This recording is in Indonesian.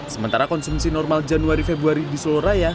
sementara konsumsi normal januari februari di seluraya